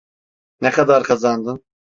Ne kadar kazandın?